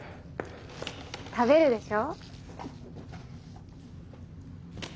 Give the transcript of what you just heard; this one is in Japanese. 食べるでしょ？